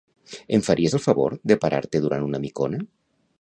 Em faries el favor de parar-te durant una micona?